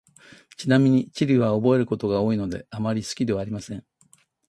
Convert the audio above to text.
ちなみに、地理は覚えることが多いので、あまり好きではありません。